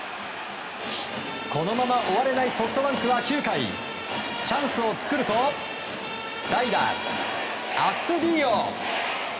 このまま終われないソフトバンクは９回チャンスを作ると代打アストゥディーヨ。